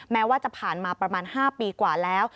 แม้ว่าจะผ่านมาประมาณ๕ปีกว่าแล้ว